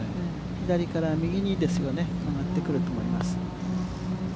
左から右に曲がってくると思います。